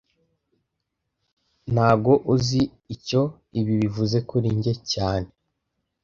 Ntago uzi icyo ibi bivuze kuri njye cyane